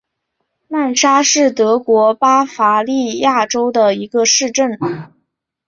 赖沙是德国巴伐利亚州的一个市镇。